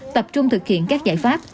tập trung thực hiện các giải pháp